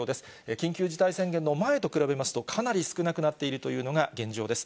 緊急事態宣言の前と比べますと、かなり少なくなっているというのが現状です。